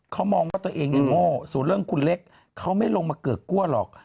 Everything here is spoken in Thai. เขามองว่าตัวเองเนี่ยโง่ส่วนเรื่องคุณเล็กเขาไม่ลงมาเกือกกลัวหรอก